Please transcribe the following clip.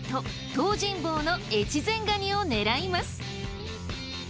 東尋坊の越前がにを狙います。